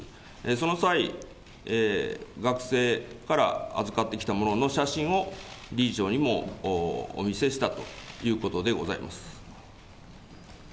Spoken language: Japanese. その際、学生から預かってきたものの写真を、理事長にもお見せしたということでございます。